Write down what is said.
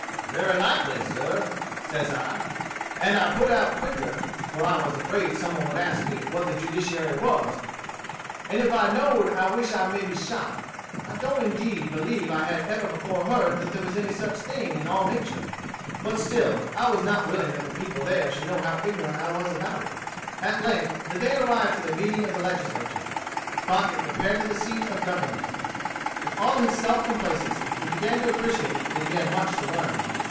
'Very likely, sir,' says I. And I put out quicker, for I was afraid some one would ask me what the judiciary was; and if I know'd I wish I may be shot. I don't indeed believe I had ever before heard that there was any such thing in all nature. But still I was not willing that the people there should know how ignorant I was about it." At length the day arrived for the meeting of the Legislature. Crockett repaired to the seat of government. With all his self complacency he began to appreciate that he had much to learn.